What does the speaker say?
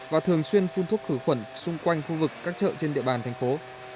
và thường xuyên phun thuốc khử khuẩn xung quanh khu vực các chợ trên địa bàn thành phố